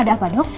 ada apa dok